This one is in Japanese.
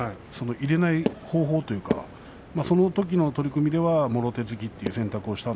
入れない方法というかそのときの取組ではもろ手突きを選択しました。